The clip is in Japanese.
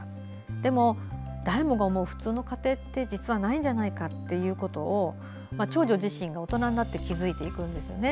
でも、誰もが思う普通の家庭って、実はないんじゃないかということを長女自身が大人になって気付いていくんですよね。